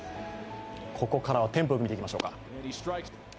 ここからはテンポよく見ていきましょう。